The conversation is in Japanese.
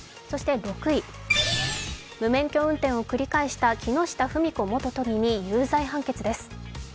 そして６位、無免許運転を繰り返した木下富美子元都議に有罪判決です。